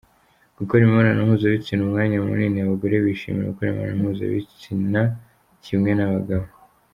Gukora imibonano mpuzabitsina umwanya munini: Abagore bishimira gukora imibonano mpuzabitsina kimwe n’abagabo.